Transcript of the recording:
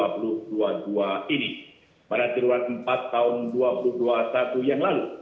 pertumbuhan ekonomi di dalam negeri perbaikan ekonomi nasional momentum berlanjut pada tahun dua ribu dua puluh dua ini